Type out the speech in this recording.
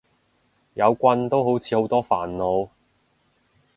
有棍都好似好多煩惱